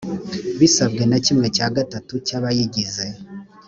bisabwe na kimwe cya gatatu cy abayigize